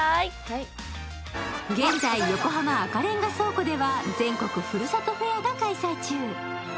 現在、横浜赤レンガ倉庫では全国ふるさとフェア２０２２が開催中。